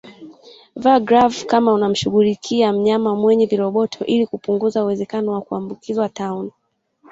Vaa glavu kama unamshughulikia mnyama mwenye viroboto ili kupunguza uwezekano wa kuambukizwa tauni